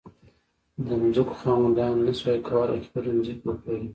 د ځمکو خاوندانو نه شوای کولای خپلې ځمکې وپلوري.